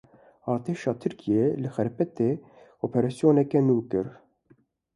Artêşa Tirkiyeyê li Xarpêtê dest bi operasyoneke nû kir.